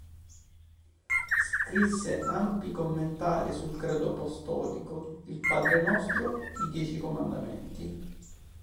Scrisse ampi commentari sul Credo apostolico, il Padre Nostro, i Dieci Comandamenti.